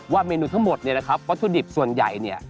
เมนูทั้งหมดเนี่ยนะครับวัตถุดิบส่วนใหญ่เนี่ย